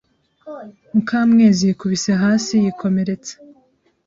Mukamwezi yikubise hasi yikomeretsa.